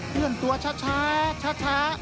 เคลื่อนตัวช้า